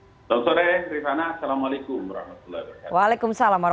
selamat sore rizana assalamualaikum wr wb